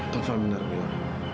tuhan benar bilal